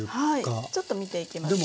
はいちょっと見ていきますね。